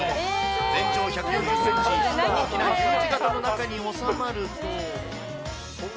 全長１４０センチ、大きなＵ字型の中に収まると。